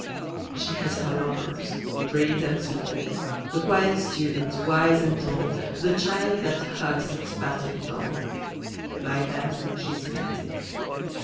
She has her lovers, great and small, The quiet student, wise and tall, The child that hugs its battered doll, By them she's petted.